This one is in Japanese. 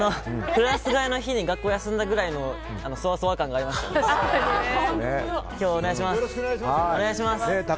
クラス替えの日に学校を休んだ日ぐらいのそわそわ感がありました。